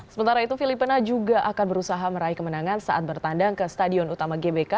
sementara itu filipina juga akan berusaha meraih kemenangan saat bertandang ke stadion utama gbk